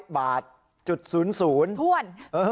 ๒๐๐บาทจุดศูนย์ศูนย์ถ้วน